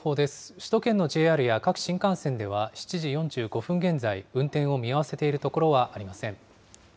首都圏のＪＲや各新幹線では７時４５分現在、運転を見合わせているところはありません。